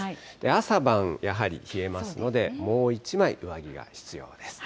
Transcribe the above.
朝晩、やはり冷えますので、もう１枚、上着が必要です。